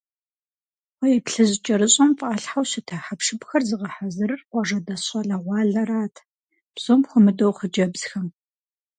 Кхъуейплъыжь кӏэрыщӏэм фӏалъхьэу щыта хьэпшыпхэр зыгъэхьэзырыр къуажэдэс щӏалэгъуалэрат, псом хуэмыдэу хъыджэбзхэм.